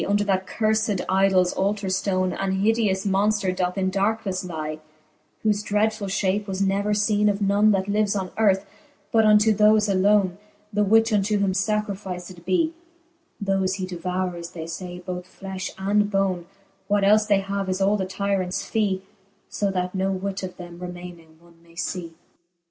Under that curfed idols altar ftone An hideous monfter doth in darknefle lie, Whole dreadfuU fhape was never leene of none, That lives on earth ; but unto thofe alone. The which unto him facrificed bee. Thole he devoures, they fay, both flejPi and bone : What elfe they have, is all the tyrants fee ; So that no whit of them remayning one may fee.